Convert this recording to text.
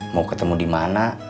mau ketemu di mana